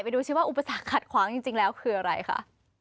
ดูสิว่าอุปสรรคขัดขวางจริงแล้วคืออะไรคะ